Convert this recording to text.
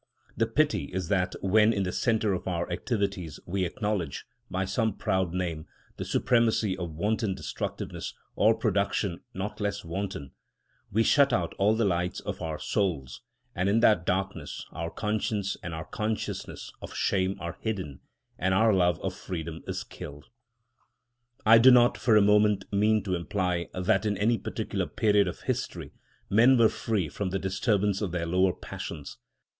The pity is that when in the centre of our activities we acknowledge, by some proud name, the supremacy of wanton destructiveness, or production not less wanton, we shut out all the lights of our souls, and in that darkness our conscience and our consciousness of shame are hidden, and our love of freedom is killed. I do not for a moment mean to imply that in any particular period of history men were free from the disturbance of their lower passions.